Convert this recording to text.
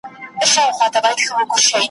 چي هر څومره درڅرګند سم بیا مي هم نه سې لیدلای ,